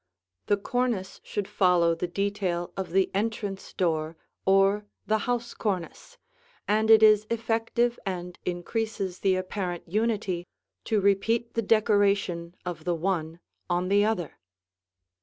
The cornice should follow the detail of the entrance door or the house cornice; and it is effective and increases the apparent unity to repeat the decoration of the one on the other.